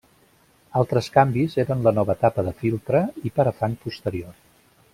Altres canvis eren la nova tapa de filtre i parafang posterior.